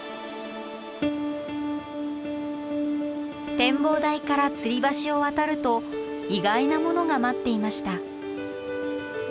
展望台からつり橋を渡ると意外なものが待っていました。